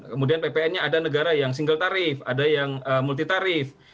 kemudian ppn nya ada negara yang single tarif ada yang multi tarif